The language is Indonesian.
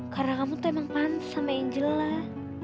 karena kamu tuh emang pantas sama angel lah